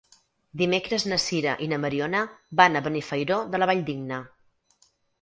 Dimecres na Sira i na Mariona van a Benifairó de la Valldigna.